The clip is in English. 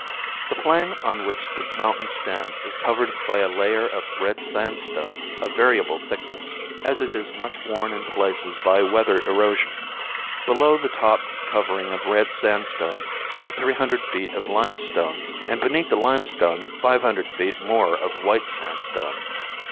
The plain on which the mountain stands is covered by a layer of red sandstone of variable thickness, as it is much worn in places by weather erosion. Below the top covering of red sandstone lie three hundred feet of limestone and beneath the limestone five hundred feet more of white sandstone.